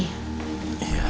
saya bi parking barnah